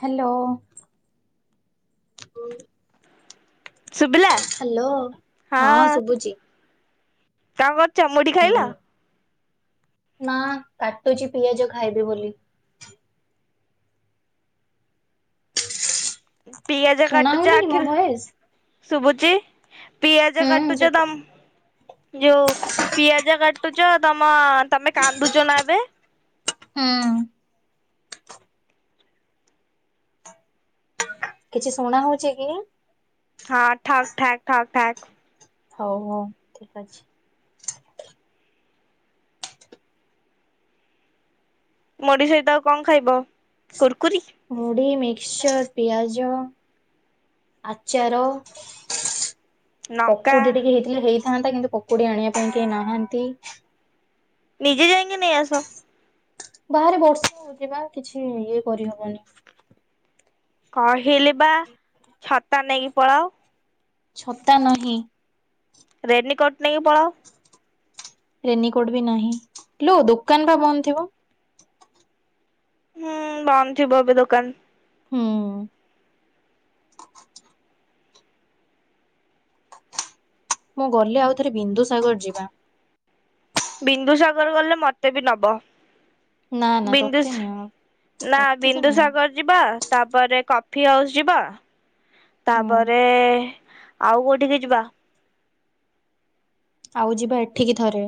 Hello. ଶୁବିଲା? Hello ହଁ ଶୁବୁଛି। କଣ କରୁଚ ମୁୁଢି ଖାଇଲା? ନାଁ କାଟୁଚି ପିଆଜ ଖାଇବି ବୋଲି। ପିଆଜ ଶୁଣା କାଟୁଚ ହଉନି କି ମୋ ଆଖିର୍ ଭଏସ୍? ଶବୁଚି ପିଆଜ ହୁଁ କାଟୁଚ ଶୁଭୁଛି ଦମ୍ ଯଉ ପିଆଜ କାଟୁଚତମ ତମେ କାନ୍ଦୁଚ ନାଁ ଏବେ? ହୁଁ। କିଛି ଶୁଣା ହଉଛି କି? ହଁ ଠାକ୍ ଠାକ୍ ଠାକ୍ ଠାକ୍। ହଉ ହଉ ଠିକ ଅଛି। ମୁଢି ସହିତ ଆଉ କଣ ଖାଇବ କୁର୍କୁରି। ମୁଢି ମିକ୍ସଚର ପିଆଜ ଆଚାର ଲଙ୍କା ପକୁଡି ଟିକେ ହେଇଥିଲେ ହେଇଥାନ୍ତା କିନ୍ତୁ ପକୁଡି ଆଣିବା ପାଇଁ କେହି ନାହାନ୍ତି। ନିଜେ ଯାଇକି ନେଇ ଆସ। ବାହାରେ ବର୍ଷା ହେଉଛି ବା କିଛି ଇଏ କରିହବନି। କହିଲି ବା ଛତା ନେଇକି ପଳାଅ। ଛତା ନାହିଁ। ରେନିକୋଟ୍ ନେଇକି ପଳାଉ। ରେନିକୋଟ ବି ନାହିଁ କୀ ଲୋ ଦୋକାନ ବା ବନ୍ଦ ଥିବ। ହୁଁ ବଂଦ ଥିବ ଏବେ ଦୋକାନ। ହୁଁ। ମୁଁ ଗଲେ ଆଉ ଥରେ ବିନ୍ଦୁସାଗର ଯିବା। ବିନ୍ଦୁସାଗର ଗଲେ ମତେ ବି ନବ। ନା ନା ବିିନ୍ଦୁ ତତେ ନିଅ ନା ତତେ ତ ନିଅ ବିିନ୍ଦୁସାଗର। ଯିବା ତାପରେ କଫି ହାଉସ୍ ଯିବା ହୁଁ ତାପରେ ଆଉ କୋଉଠିକି ଯିବା। ଆଉ ଯିବା ଏଠିକି ଥରେ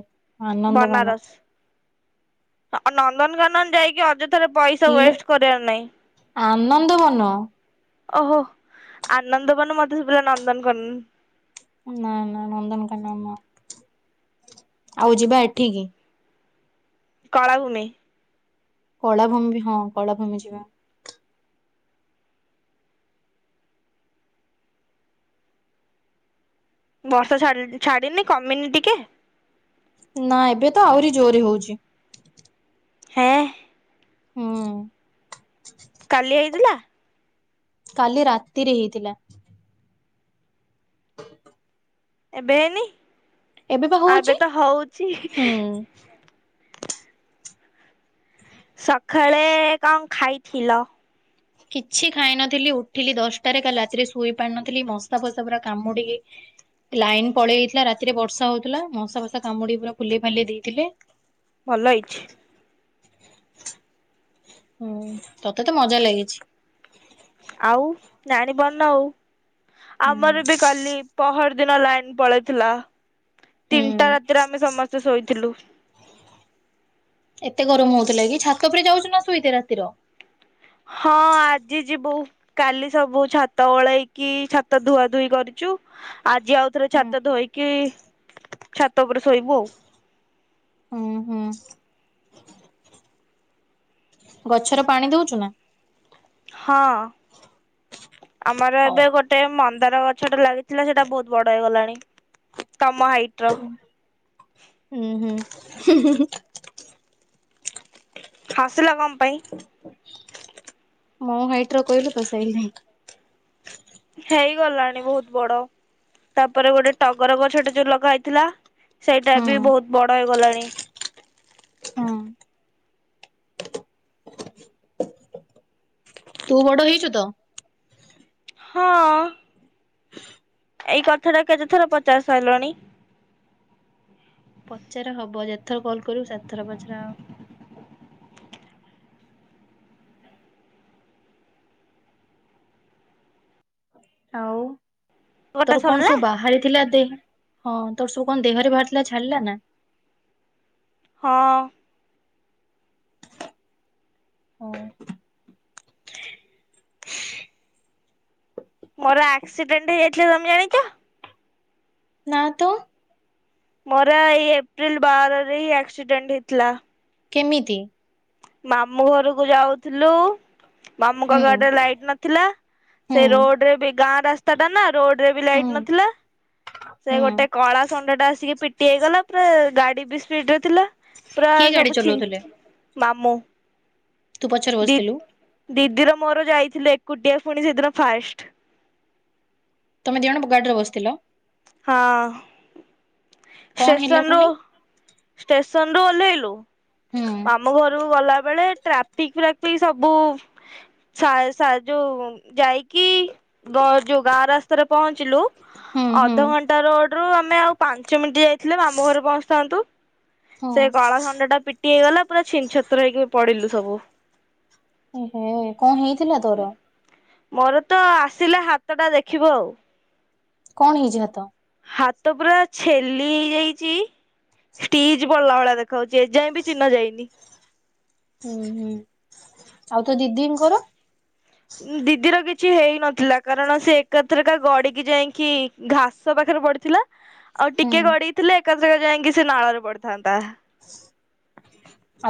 ଆନନ୍ଦବନ ବନାରସ ଆଉ ନନ୍ଦନକାନନ ଯାଇକି ଅଯୋ ଥାରେ ପଇସା ଲୋ ୱେଷ୍ଟ କରିବାର ନାହିଁ। ଆନନ୍ଦବନ ଓହୋ ଆନନ୍ଦବନ ମତେ ସୁଭିଲା ନନ୍ଦନ କାନନ୍ ନା ନା ନନ୍ଦନକନନ ନୁହଁ ଆଉ ଯିବା ଏଠିକି? କଳା ଭୂମି କଳାଭୂମି ବି ହଁ କଳାଭୂମି ଯିବା। ବର୍ଷା ଛାଡ଼ିନି କମିନି ଟିକେ। ନା ଏବେ ତ ଆହୁରି ଜୋରରେ ହଉଛି। ହେଁ। ହୁଁ। କାଲି ହେଇଥିଲା? କାଲି ରାତିରେ ହେଇଥିଲା [inaudible] ଏବେ ହେନି ବା ହଉଛି ଏବେ ତ ହଉଛି ହୁଁ ସକାଳେ କଣ ଖାଇଥିଲ? କିଛି ଖାଇନଥିଲି ଉଠିଲି ଦଶଟାରେ କାଲି ରାତିରେ ଶୋଇ ପାରିନଥିଲି ମଶା ଫସା ପୁରା କାମୁଡିକି ଲାଇନ ପଳେଇ ଯାଇଥିଲା ରାତିରେ ବର୍ଷା ହଉଥିଲା ମଶା ଫସା କାମୁଡି ପୁରା ଫୁଲେଇ ଫାଲି ଦେଇଥିଲେ ଭଲ ହେଇଛି ହୁଁ ତତେ ତ ମଜା ଲାଗିଛି ଆଉ ନାଣୀ ବନଉ ହୁଁ ଆମର ବି କଲି ପହର ଦିନ ଲାଇନ ପଳେଇଥିଲା ତିନିଟା ହୁଁ ରାତିରେ ଆମେ ସମସ୍ତେ ଶୋଇଥିଲୁ ଏତେ ଗରମ ହଉଥିଲା କି ଛାତ ଉପରେ ଯାଉଛୁ ନା ଶୋଇତେ ରାତିର ହଁ ଆଜି ଯିବୁ କାଲି ସବୁ ଛାତ ଓଳେଇକି ଛାତ ଧୁଆ ଧୁଇ କରିଛୁ। ଆଜି ଆଉଥରେ ହୁଁ। ଛାତ ଧୋଇକି ଛାତ ଉପରେ ଶୋଇବୁ ଆଉ ହୁଁ ହୁଁ। ଗଛର ପାଣି ଦଉଛୁ ନା? ହଁ ଆମର ହଉ। ଏବେ ଗୋ ଟେ ମନ୍ଦାର ଗଛ ଟା ଲାଗିଥିଲା ସେଟା ବହୁତ ବଡ ହେଇଗଲାଣି ତମ ହାଇଟ ର। ହୁଁ ହୁଁ। ହସିଲ କଁ ପାଇଁ? ମୋ ହାଇଟ ର କହିଲୁ ତ ସେଇ ପାଇଁ। ହେଇଗଲାଣି ବହୁତ ବଡ ତାପରେ ଗୋଟେ ଟଗର ଗଛଟେ ଯୋଉ ଲଗା ହେଇଥିଲା ସେଇଟା ହଁ ବି ବହୁତ ବଡ ହେଇଗଲାଣି। ହଁ ତୁ ବଡ ହେଇଛୁ ତ। ହଁ। ଏଇ କଥା ଟା କେତେ ଥର ପଚାରି ସାରିଲଣି? ପଚାର ହବ ଯେତଥର କଲ୍ କରିବୁ ସେତଥର ପଚାର ହବ। ଆଉ ଗୋଟା ତୋର କଣ ସରିଲା ସବୁ ବାହାରିଥିଲା ଦେ ହଁ ତୋର ସବୁ କଣ ଦେହରେ ବାହାରି ଥିଲା ଛାଡିଲା ନା? ହଁ। ହଁ। ମୋର ଆକ୍ସିଡେଣ୍ଟ ହେଇଯାଇଥିଲା ତମେ ଜାଣିଚ? ନା ତ। ମୋର ଏଇ ଏପ୍ରିଲ ବାରରେ ହିଁ ଆକ୍ସିଡେଣ୍ଟ ହେଇଥିଲା। କେମିତି? ମାମୁଁ ଘରକୁ ଯାଉଥିଲୁ ମାମୁ ହୁଁ ଘରଆଡେ ଲାଇଟ ନଥିଲା ହୁଁ ସେ ରୋଡ ରେ ବି ଗାଁ ରାସ୍ତା ଟା ନା ରୋଡ ରେ ହୁଁ ଲାଇଟ୍ ନଥିଲା। ସେ ହୁଁ ଗୋଟେ କଳା ଷଣ୍ଢ ଟା ଆସିକି ପିଟି ହେଇଗଲା ପୁରା ଗାଡି ବି ସ୍ପିଡ ରେ ଥିଲା, ପୁରା କିଏ ଗାଡି ସବୁ ଛିନ୍ ଚଲଉଥିଲେ? ମାମୁଁ ତୁ ପଛରେ ଦି ବସିଥିଲୁ। ଦିଦିର ମୋର ଯାଇଥିଲୁ ଏକୁଟିଆ ପୁଣି ସେଦିନ ଫାଷ୍ଟ। ତମେ ଦି ଜଣ ଗାଡି ରେବସିଥିଲ। ହଁ, କଣ ହେଲା ଷ୍ଟେସନ ରୁ ପୁଣି? ଷ୍ଟେସନ ରୁ ଓହ୍ଲେଇଲୁ। ହୁଁ ମାମୁ ଘରକୁ ଗଲାବେଳେ ଟ୍ରା ପିକ ଫ୍ରାପିକ୍ ସବୁ ଶାଆ ଯୋଉ ଯାଇକି ବ ଯୋଉ ଗାଁ ରାସ୍ତାରେ ପହଞ୍ଚିଲୁ ହୁଁ ହୁଁ ଅଧଘ ରୋଡ ରୁ ଆମେ ଆଉ ପାଞ୍ଚ ମିନିଟ୍ ଯାଇଥିଲେ ମାମୁ ଘରେ ପହଞ୍ଚିଥାନ୍ତୁ। ହଁ ସେ କଳା ଷଣ୍ଢ ଟା ପିଟି ହେଇଗଲା ପୁରା ଛିନ ଛତ୍ର ହେଇକି ପଡିଲୁ ସବୁ। ଏ ହେ କଁ ହେଇଥିଲା ତୋର? ମୋର ତ ଆସିଲା ହାତଟା ଦେଖିବୁ ଆଉ। କଣ ହେଇଛି ହାତ? ହାତ ପୁରା ଛେଲି ହେଇଯାଇଛି। ଷ୍ଟିଜ୍ ପଡିଲା ଭଳିଆ ଦେଖାଯାଉଛି ଏଯାଏଁ ବି ଚିହ୍ନ ଯାଇନି। ହୁଁ ହୁଁ, ଆଉ ତୋ ଦିଦିଙ୍କର? ଦିଦିର କିଛି ହେଇନଥିଲା କାରଣ ସେ ଏକାଥରକା ଗଡିକି ଯାଇକି ଘାସ ପାଖରେ ପଡିଥିଲା ଆଉ ହୁଁ ଟିକେ ଗଡିଥିଲେ ଏକା ଥରେ ଯାଇକି ସେ ନାଳରେ ପଡିଥାନ୍ତା।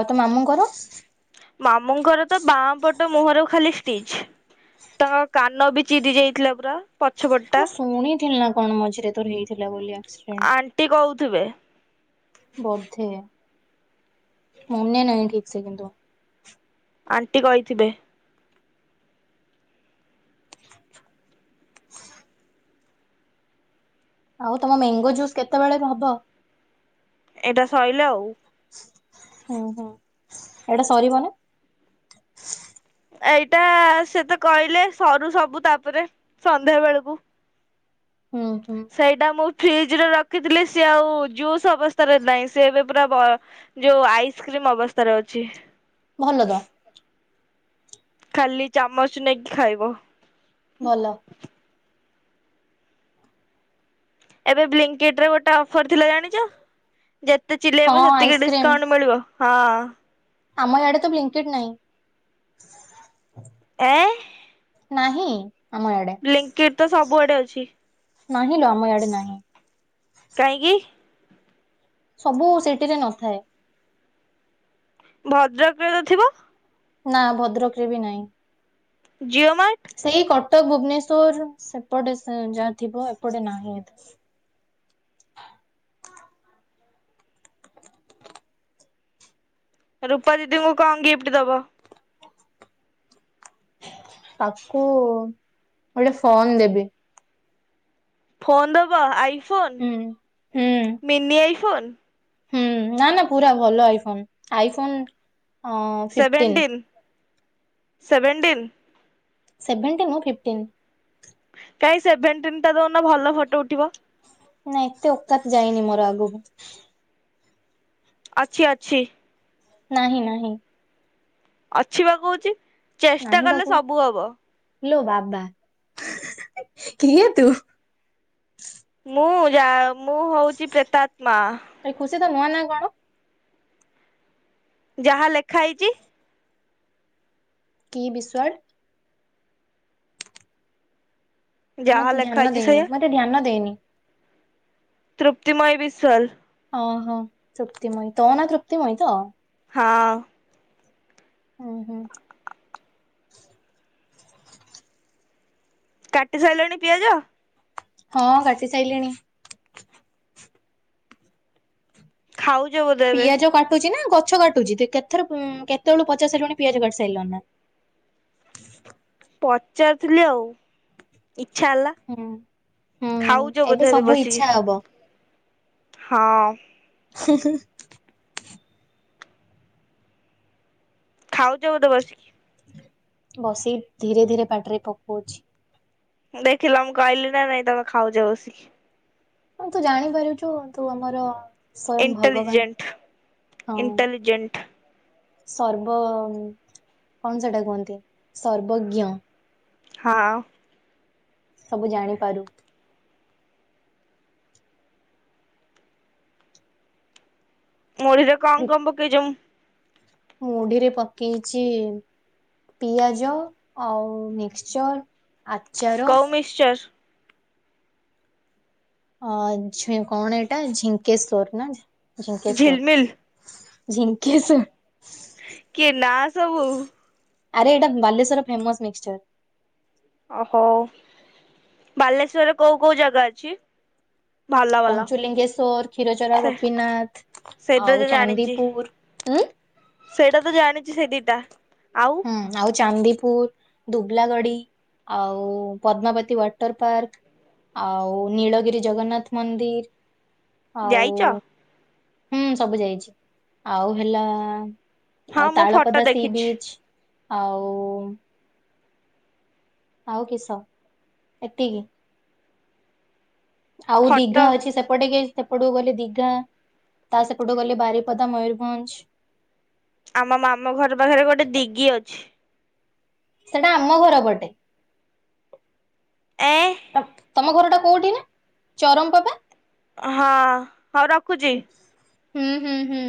ଆଉ ତୋ ମାମୁଁଙ୍କର? ମାମୁଙ୍କର ତ ବାଁ ପଟ ମୁହଁରୁ ଖାଲି ଷ୍ଟିଚ। ତାଙ୍କ କାନ ବି ଚିରି ଯାଇଥିଲା ପୁରା ପଛପଟଟା। ମୁଁ ଶୁଣିଥିଲି ନା କଣ ମଝିରେ ତୋର ହେଇଥିଲା ବୋଲି ଆକ୍ସିଡେଣ୍ଟ। ଆଣ୍ଟି କହୁଥିବେ। ବୋଧେ ମନେ ନାହିଁ ଠିକ ସେ କିନ୍ତୁ ଆଣ୍ଟି କହିଥିବେ? ଆଉ ତମ ମେଙ୍ଗୋ ଜୁସ୍ କେତେବେଳେ କେ ହେବ? ଏଇଟା ସିଇଲେ ଆଉ। ହୁଁ ହୁଁ ଏଇଟା ସରିବ ନା? ଏଇଟା ସେତ କହିଲେ ସରୁ ସବୁ ତାପରେ ସନ୍ଧ୍ୟା ବେଳକୁ। ହୁଁ ହୁଁ। ସେଇଟା ମୁଁ ଫ୍ରିଜରେ ରଖିଥିଲି ସିଏ ଆଉ ଜୁସ୍ ଅବସ୍ଥାରେ ନାହିଁ ସେ ଏବେ ପୁରା ବ ଯୋଉ ଆଇସ୍କ୍ରିମ ଅବସ୍ଥାରେ ଅଛି। ଭଲ ତ। ଖାଲି ଚାମଚ ନେଇକି ଖାଇବ। ଭଲ। ଏବେ ବ୍ଲିଙ୍କକିଟ ରେ ଗୋଟେ ଅଫର ଥିଲା ଜାଣିଛ? ଯେତେ ହଁ ଚିଲେଇବ ସେତିକି ଆଇସ୍କ୍ରିମ ଡିସକାଉଣ୍ଟ ମିଳିବ। ହଁ ଆମ ୟାଡେ ତ ବ୍ଲିଙ୍କଡ ନାହିଁ। ଏଁ। ନାହିଁ। ଆମ ଇଆଡେ। ବ୍ଲୀଙ୍କିଡ ତ ସବୁଆଡେ ଅଛି। ନାହିଁ ଲୋ ଆମ ଇଆଡେ ନାହିଁ। କାହିଁକି?। ସବୁ ସିଟି ରେ ନଥାଏ। ଭଦ୍ରକରେ ତ ଥିବ। ନା ଭଦ୍ରକ ରେ ବି ନାହିଁ। ଜିଓ ମାର୍ଟ। ସେଇ କଟକ ଭୁବନେଶ୍ୱର ସେପଟେ ଯାହା ଥିବ ଏପଟେ ନାହିଁ। ରୂପା ଦିଦିଙ୍କୁ କଅଁ ଗିଫ୍ଟ ଦବ? ତାକୁ ଗୋଟେ ଫୋନ ଦେବି। ଫୋନ ଦବ ଆଇଫୋନ୍ ହୁଁ ହୁଁ ମିନି ଆଇଫୋନ୍? ହୁଁ ନା ନା ପୁରା ଭଲ ଆଇଫୋନ ଆଇଫୋନ ଅ ଫିଫ୍ଟିନ୍ ସେଭେଣ୍ଟିନ୍ ସେଭେଣ୍ଟିନ୍। ସେଭେଣ୍ଟି ମୁଁ ଫିଫ୍ଟିନ୍। କାଇଁ ସେଭେଣ୍ଟିନ ଟା ଦଉନ ଭଲ ଫଟୋ ଉଠିବ। ନାଇଁ ଏତେ ଓକାାତ ଯାଇନି ମୋର ଆଗକୁ। ଅଛି ଅଛି। ନାହିଁ ନାହିଁ। ଅଛି ବା କହୁଛି। ଚେଷ୍ଟା ନାହିଁ ବା କଲେ ସବୁ ହବ କହୁଛି ଲୋ ବାବା କିଏ ତୁ। ମୁଁ ଯା ମୁଁ ହଉଛି ପ୍ରେତାତ୍ ମା। ଏ ଖୁସି ତ ନୁହଁ ନା କଣ। ଯାହା ଲେଖା ହେଇଛି? କି ବିଶ୍ବାଳ? ଯାହା ମତେ ଲେଖା ଧ୍ୟାନ ହେଇଛି ଦେଇନି। ସେଇଆ ମତେ ଧ୍ୟାନ ଦେଇନି! ତୃପ୍ତିମୟି ବିଶ୍ୱାଲ। ଅଁ ହ ତୃପ୍ତିମୟୀ ତ ନା ତୃପ୍ତିମୟୀ ତ? ହଁ ହୁଁ ହୁଁ କାଟି ସାଇଲାଣି ପିଆଜ? ହଁ କାଟି ସାଇଲିଣି। ଖାଉଚ୍। ପିଆଜ କାଟୁଚ ନା ଗଛ କାଟୁଛି, କେତେଥର ଉଁ କେତେବେଳୁ ପଚାରିଶାରିଲୁଣି ପିଆଜ କାଟି ସାରିଳୁ ନା? ପଚାରୁଥିଲି ଆଉ, ଇଚ୍ଛା ହେଲା। ହୁଁ ଖାଉଛ ହୁଁ ବୋଧେ ଏବେ ସବୁ ବସିକି? ଇଚ୍ଛା ହବ ହଁ ପ ହଁ [unintelligible] ଖାଉଛ ବୋଧେ ତ ବସିକି? ବସି ଧୀରେ ଧୀରେ ପାଟିରେ ପକୋଉଛି। ଦେଖିଲ, ମୁଁ କହିଲି ନା ନାଇଁ ତମେ ଖାଉଛ ବସିକି। ହ ତୁ ଜାଣିପାରୁଛୁ ତୁ ଆମର ସ୍ବୟଂ ଇଣ୍ଟେଲିଜେଣ୍ଟ ଭଗବାନ ହଁ। ଇଣ୍ଟେଲିଜେଣ୍ଟ ସର୍ବ, କଣ ସେଟା କୁହନ୍ତି ସର୍ବଜ୍ଞ। ହଁ ସବୁ ଜାଣିପାରୁ। ମୁଢିରେ କଣ, ବି- କଣ ପକେଇ ଚମ? ମୁଢିରେ ପକେଇଛି ପିଆଜ ଆଉ ମିକ୍ସଚର ଆଚ କଉ ମିିଶ୍ଚର? ଅ ଝିକ କଣ ଏଇଟା ଝିଙ୍କେଶ୍ଵର ନା ଝିଲମିଲ ଝିଙ୍କେଶ୍ଵର ଝିଙ୍କେଶ୍ଵର। କିଏ ନା ସବୁ। ଆରେ ଏଇଟା ବାଲେଶ୍ଵର ଫେମସ ମିଶ୍ଚର। ଓହୋ ବାଲେଶ୍ୱରେ କୋଉ କୋଉ ଜାଗା ଅଛି? ଭଲ ଭଲ ପଞ୍ଚୁଲିଙ୍ଗେଶ୍ଵର, କ୍ଷୀରଚୋରା ସେ ଗୋପୀନାଥ ସେଇଟା ଆଉ ତ ଜାଣିଛି ଚାନ୍ଦିପୁର ହୁଁ। ସେଇଟା ତ ଜାଣିଛି ସେ ଦିଟା। ଆଉ? ହୁଁ ଆଉ ଚାନ୍ଦିପୁର ଦୁବଲାଗଡି। ଆଉ ପଦ୍ମାବତୀ ୱାଟର ପାର୍କ। ଆଉ ନୀଳଗିରି ଜଗନ୍ନାଥ ମନ୍ଦିର। ଆଉ ଯାଇଛ ହୁଁ ସବୁ ଯାଇଛି ଆଉ ହେଲା! ହଁ ଆଉ ମୁଁ ଫଟୋ ତାଳପଦା ସି ଦେଖିଛି ବିଚ୍ ଆଉ। ଆଉ କିଶ ଏତିକି? ଆଉ ଫଟୋ ଦିଘା ଅଛି ସେପଟେ କି। ସେପଟକୁ ଗଲେ ଦିଘା। ତା ସେପଟୁ ଗଲେ ବାରିପଦା ମୟରଭଞ୍ଜ। ଆମ ମାମୁଁ ଘର ପାଖରେ ଗୋଟେ ଦିଗି ଅଛି। ସେଟା ଆମ ଘର ପଟେ। ଏ ତତ ତମ ଘର ଟା କୋଉଠି କା ଚରମ ପାଦା? ଅହଁ ହଉ ର ହୁଁ ହୁଁ ହୁଁ।